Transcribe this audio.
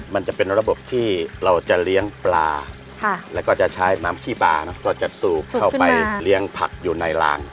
มันจะเป็นระบบที่เราจะเลี้ยงปลาแล้วก็จะใช้น้ำขี้ปลาก็จะสูบเข้าไปเลี้ยงผักอยู่ในลาง